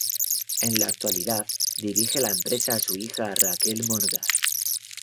En la actualidad dirige la empresa su hija "Raquel Morga".